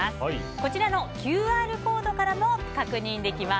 こちらのＱＲコードからも確認できます。